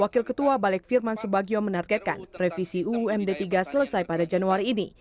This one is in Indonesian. pakil ketua balik firman subagio menargetkan revisi umd iii selesai pada januari ini